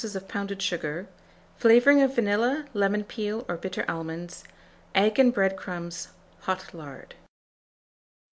of pounded sugar, flavouring of vanilla, lemon peel, or bitter almonds, egg and bread crumbs, hot lard.